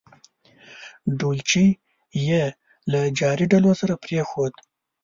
ډولچي یې له جاري ډول سره پرېښوده.